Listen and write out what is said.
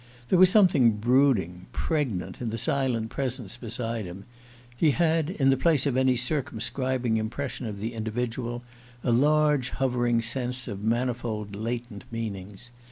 There was something brooding, pregnant, in the silent presence beside him: he had, in place of any circumscribing impression of the individual, a large hovering sense of manifold latent meanings.